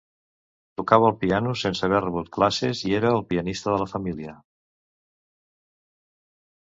Tocava el piano sense haver rebut classes i era el pianista de la família.